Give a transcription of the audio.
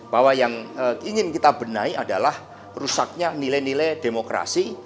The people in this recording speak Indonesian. bahwa yang ingin kita benahi adalah rusaknya nilai nilai demokrasi